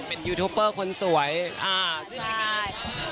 เป็นยูทูปเปอร์คนสวยชื่อรายการอะไร